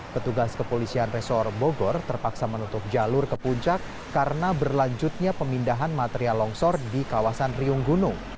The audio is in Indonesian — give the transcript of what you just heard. petugas kepolisian resor bogor terpaksa menutup jalur ke puncak karena berlanjutnya pemindahan material longsor di kawasan riung gunung